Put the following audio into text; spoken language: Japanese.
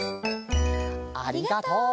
ありがとう！